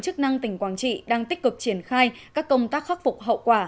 chức năng tỉnh quảng trị đang tích cực triển khai các công tác khắc phục hậu quả